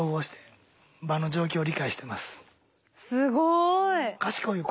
すごい。